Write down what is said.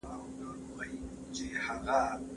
د مشرتابه نشتون پر ادب اغېز وکړ.